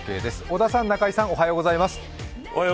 織田さん、中井さんおはようございます。